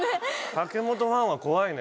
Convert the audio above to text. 武元ファンは怖いね。